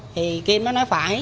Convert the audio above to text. thì kim nó nói phải